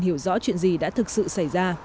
hiểu rõ chuyện gì đã thực sự xảy ra